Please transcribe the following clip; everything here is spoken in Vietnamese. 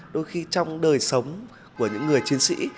đôi khi trong đời sống của những người chiến sĩ